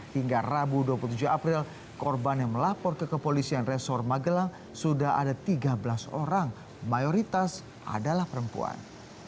hingga rabu dua puluh tujuh april korban yang melapor ke kepolisian resor magelang sudah ada tiga belas orang mayoritas adalah perempuan